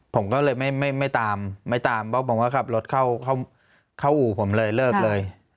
ผมก็เลยไม่ตามไม่ตามเพราะผมก็ขับรถเข้าอู่ผมเลยเลิกเลย